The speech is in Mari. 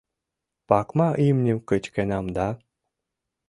Пакма имньым кычкенам да